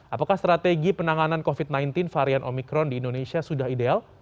apakah strategi penanganan covid sembilan belas varian omikron di indonesia sudah ideal